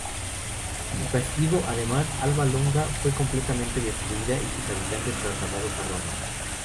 Como castigo, además, Alba Longa fue completamente destruida y sus habitantes trasladados a Roma.